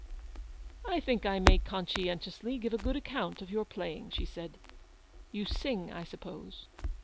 "I think I may conscientiously give a good account of your playing," she said. " You sing, I suppose